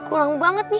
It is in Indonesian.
bekerja air already